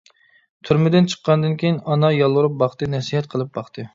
تۈرمىدىن چىققاندىن كىيىن ئانا يالۋۇرۇپ باقتى، نەسىھەت قىلىپ باقتى.